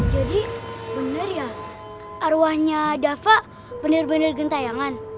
jadi bener ya arwahnya dava bener bener gentayangan